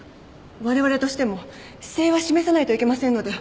われわれとしても姿勢は示さないといけませんので。